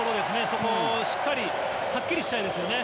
そこをしっかりはっきりしたいですよね。